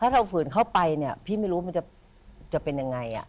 ถ้าเราฝืนเข้าไปเนี่ยพี่ไม่รู้มันจะเป็นยังไง